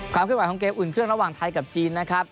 ความขึ้นไหวของเกมอุ่นเครื่องระหว่างไทยกับจีนนะครับ